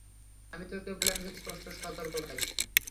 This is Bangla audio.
আমি তো কেবল একজন স্পষ্ট সতর্ককারী।